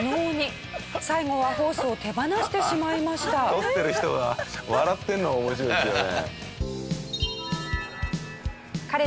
撮ってる人が笑ってるのが面白いですよね。